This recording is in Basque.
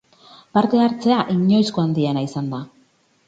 Parte-hartzea inoizko handiena izan da.